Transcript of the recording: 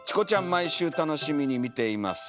毎週楽しみに見ています」。